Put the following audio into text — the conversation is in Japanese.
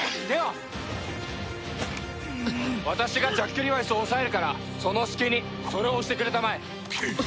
では私がジャックリバイスを抑えるからその隙にそれを押してくれたまえ。